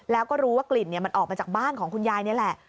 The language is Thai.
แล้วก็รู้ว่ากลิ่นมันออกมาจากบ้านของคุณยายนี่แหละ